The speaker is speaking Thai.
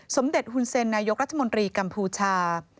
สมเด็จฮุนเซ็นนายกรัฐมนตรีกัมพูชา